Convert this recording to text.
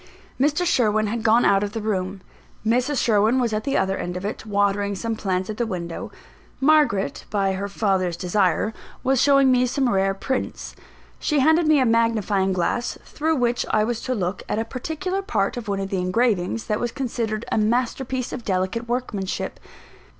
Mr. Sherwin had gone out of the room; Mrs. Sherwin was at the other end of it, watering some plants at the window; Margaret, by her father's desire, was showing me some rare prints. She handed me a magnifying glass, through which I was to look at a particular part of one of the engravings, that was considered a master piece of delicate workmanship.